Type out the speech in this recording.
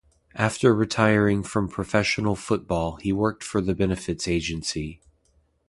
After retiring from professional football he worked for the Benefits Agency.